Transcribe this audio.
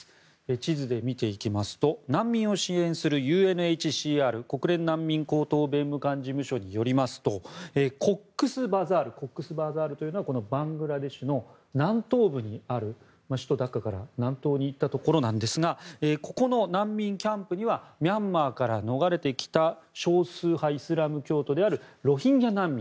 地図で見ていきますと難民を支援するＵＮＨＣＲ・国連難民高等弁務官事務所によりますとコックスバザールというバングラデシュの首都ダッカから南東に行ったところなんですがここの難民キャンプにはミャンマーから逃れてきた少数派イスラム教徒であるロヒンギャ難民